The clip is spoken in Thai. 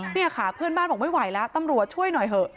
เนี่ยค่ะเพื่อนบ้านบอกไม่ไหวแล้วตำรวจช่วยหน่อยเถอะ